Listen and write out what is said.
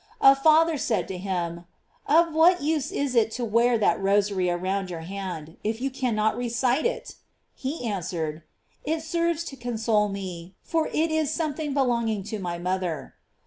A father said to him: "Of what use is it to wear that rosary GLORIES OF MART. 495 around your hand, if you cannot recite it?" He answered: "It serves to console me, for it is something belonging to my mother."